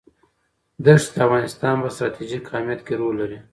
دښتې د افغانستان په ستراتیژیک اهمیت کې رول لري.